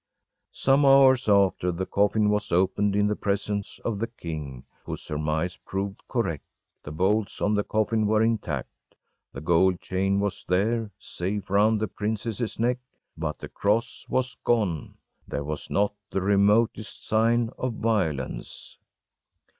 Some hours after, the coffin was opened in the presence of the king, whose surmise proved correct. The bolts on the coffin were intact. The gold chain was there, safe round the princess’ neck. But the cross was gone. There was not the remotest sign of violence.